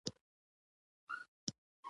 خپلې هڅې ګړندۍ کړي.